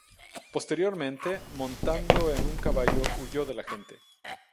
Posteriormente, montando en un caballo huyó de la gente.